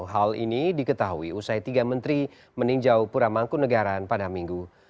hal ini diketahui usai tiga menteri meninjau pura mangkunagaran pada minggu